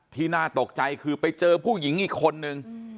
น่าตกใจคือไปเจอผู้หญิงอีกคนนึง